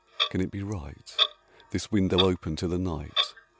can it be right This window open to the night!